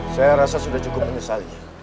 saya rasa sudah cukup menyesal ini